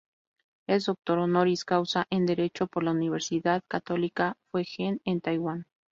Es Doctor Honoris Causa en Derecho por la Universidad Católica Fu Jen en Taiwán.